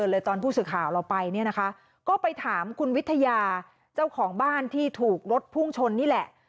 เลยตอนผู้สื่อข่าวเราไปเนี่ยนะคะก็ไปถามคุณวิทยาเจ้าของบ้านที่ถูกรถพุ่งชนนี่แหละ